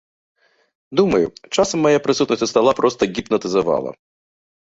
Думаю, часам мая прысутнасць у стала проста гіпнатызавала.